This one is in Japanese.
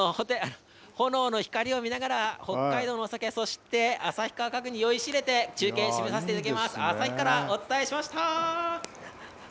炎の光を見ながら、北海道のお酒、そして、旭川家具に酔いしれて、中継、締めさせていただきます。旭川からお伝えしました。